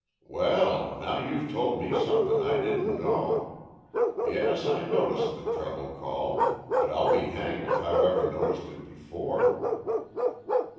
"Well, now you've told me something I didn't know. Yes I noticed the treble call, but I'll be hanged if I've ever noticed it before."